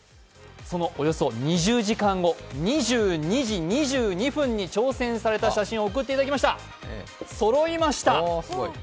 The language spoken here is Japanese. そのおよそ２０時間後、２２時２２分に挑戦された写真を送っていただきました、そろいました！